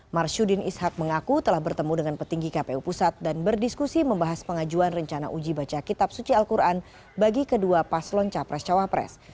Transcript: marsyudin ishak mengaku telah bertemu dengan petinggi kpu pusat dan berdiskusi membahas pengajuan rencana uji baca kitab suci al quran bagi kedua paslon capres cawapres